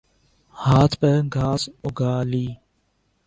ھت پر گھاس اگا لی